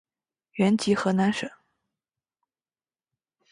原籍河南省。